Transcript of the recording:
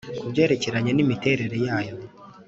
ku byerekeranye n imiterere yayo